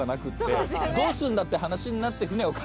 どうすんだって話になって船を。